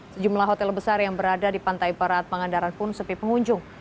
sejumlah hotel besar yang berada di pantai barat pangandaran pun sepi pengunjung